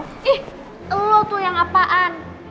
ih lo tuh yang apaan